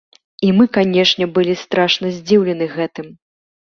І мы, канешне, былі страшна здзіўленыя гэтым.